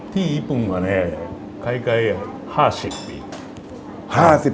ที่ญี่ปุ่นอันนี้ใกล้๕๐ปี